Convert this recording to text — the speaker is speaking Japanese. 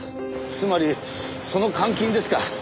つまりその監禁ですか。